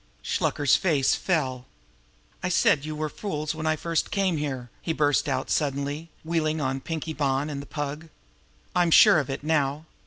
Shluker's face fell. "I said you were fools when I first came in here!" he burst out suddenly, wheeling on Pinkie Bonn and the Pug. "I'm sure of it now.